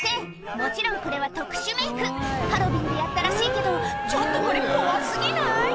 もちろんこれは特殊メイクハロウィーンでやったらしいけどちょっとこれ怖過ぎない？